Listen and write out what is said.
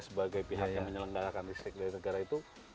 sebagai pihak yang menyelenggarakan listrik dari negara itu